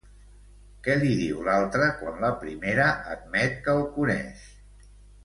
Què li diu l'altra quan la primera admet que el coneix?